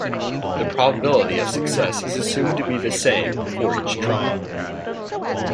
The probability of success is assumed to be the same for each trial.